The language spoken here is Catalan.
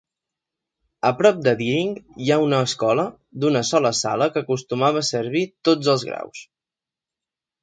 A prop de Deering, hi ha una escola d'una sola sala que acostumava a servir tots els graus.